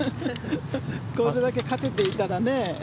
これだけ勝てていたらね。